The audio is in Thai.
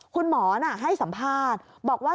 คุณหมอให้สัมภาษณ์บอกว่า